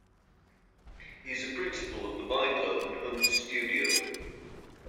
He is a principal of the Bigelow and Holmes studio.